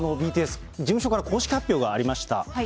ＢＴＳ、事務所から公式発表がありました。